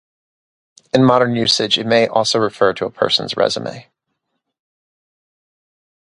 In modern usage it may also refer to a person's resume.